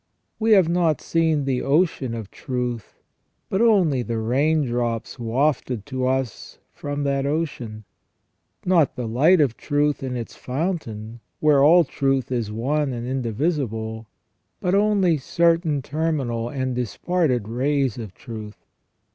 We have not seen the ocean of truth. WBY MAN WAS NOT CREATED PERFECT 255 but only the raindrops wafted to us from that ocean ; not the light of truth in its fountain, where all truth is one and indivisible, but only certain terminal and disparted rays of truth.